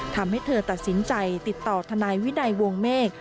ทำให้เธอตัดสินใจติดต่อทนายวินัยวงเมฆ